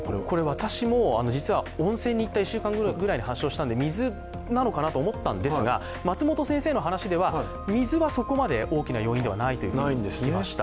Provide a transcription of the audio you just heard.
私も実は温泉に行った１週間後くらいに発症したので、水なのかなと思ったんですが松本先生の話では、水はそこまで大きな要因ではないというお話でした。